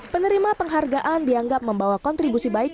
penerima penghargaan dianggap membawa kontribusi baik